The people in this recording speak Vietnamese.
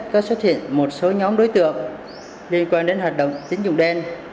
các xuất hiện một số nhóm đối tượng liên quan đến hoạt động tín dụng đen